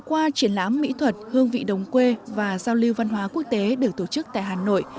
hôm qua triển lãm mỹ thuật hương vị đồng quê và giao lưu văn hóa quốc tế được tổ chức tại hà nội